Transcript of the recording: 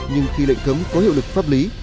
nhưng khi lệnh cấm có hiệu lực pháp lý